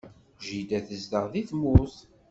Jida tezdeɣ deg tmurt.